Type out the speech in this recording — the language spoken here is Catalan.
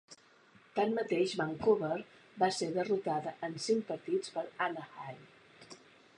Tanmateix, Vancouver va ser derrotat en cinc partits per Anaheim.